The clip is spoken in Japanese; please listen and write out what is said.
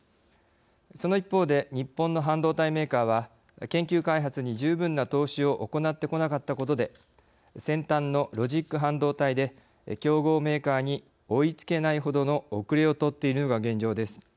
その一方で日本の半導体メーカーは研究開発に十分な投資を行ってこなかったことで先端のロジック半導体で競合メーカーに追いつけないほどのおくれをとっているのが現状です。